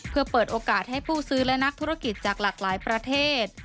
เพื่อเปิดโอกาสให้ผู้ซื้อและนักธุรกิจจากหลากหลายประเทศ